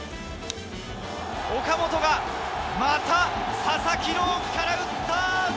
岡本がまた佐々木朗希から打った。